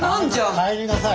帰りなさい。